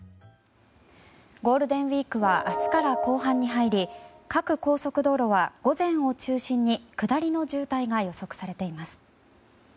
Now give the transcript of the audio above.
ゴールデンウィークは明日から後半に入り各高速道路は午前を中心に下りの渋滞が予測されています。